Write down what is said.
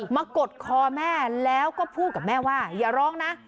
กดคอแม่แล้วก็พูดกับแม่ว่าอย่าร้องนะ